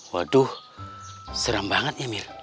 waduh serem banget ya mir